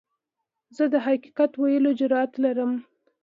زه د حقیقت ویلو جرئت لرم.